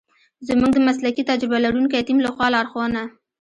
زمونږ د مسلکي تجربه لرونکی تیم لخوا لارښونه